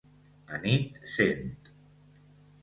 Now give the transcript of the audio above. Anit sent